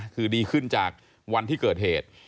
คือดีขึ้นจากวันที่เกิดเหตุ